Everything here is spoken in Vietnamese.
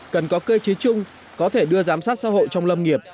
cần có cơ chế chung có thể đưa giám sát xã hội trong lâm nghiệp